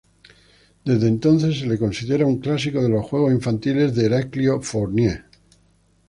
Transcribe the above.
Desde entonces se lo considera un clásico de los juegos infantiles de Heraclio Fournier.